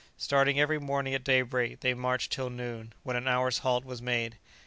Starting every morning at daybreak they marched till noon, when an hour's halt was made.